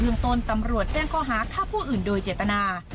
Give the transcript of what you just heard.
เมืองต้นตำรวจแจ้งข้อหาฆ่าผู้อื่นโดยเจตนา